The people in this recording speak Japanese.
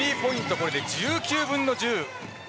これで１９分の１０。